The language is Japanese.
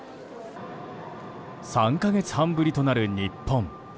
３か月半ぶりとなる日本。